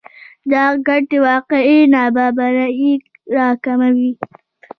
دا ګټې واقعي نابرابری راکموي